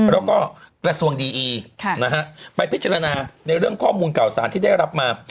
แล้วก็กระทรวงดีอีไปพิจารณาในเรื่องข้อมูลเก่าสารที่ได้รับมา